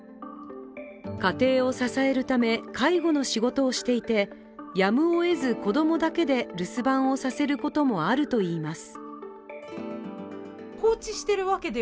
家庭を支えるため介護の仕事をしていて、やむをえず子供だけで留守番をさせることもあるといいます。